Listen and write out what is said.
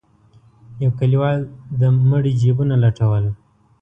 يو کليوال د مړي جيبونه لټول.